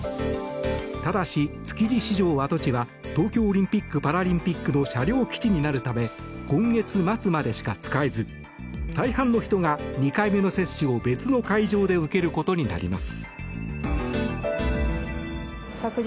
ただし、築地市場跡地は東京オリンピック・パラリンピックの車両基地になるため今月末までしか使えず大半の人が２回目の接種を別の会場で受けることになります。